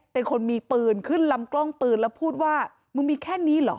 เป็นคนมีปืนขึ้นลำกล้องปืนแล้วพูดว่ามึงมีแค่นี้เหรอ